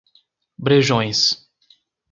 Brejões